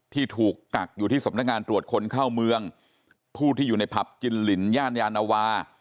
ที่ถูกกักอยู่ที่สำนักงานตรวจคนเข้าเมืองผู้ที่อยู่ในผับกินลินย่านยานวา